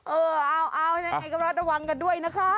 เออเอาให้กำลังระวังกันด้วยนะคะ